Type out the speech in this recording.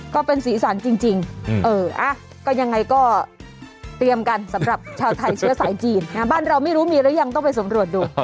ก็เป็นสีสันจริงก็ยังไงก็เตรียมกันสำหรับชาวไทยเชื้อสายจีนบ้านเราไม่รู้มีหรือยังต้องไปสำรวจดู